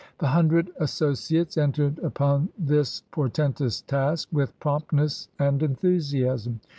The Hundred Associates entered upon this portentous task with promptness and enthusiasm.